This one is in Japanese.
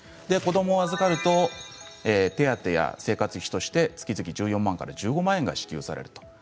子どもを預かると手当や生活費として月々１４万円から１５万円が支給されます。